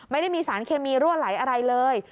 ไม่ได้มีสารเคมีรั่วไหลอะไรเลย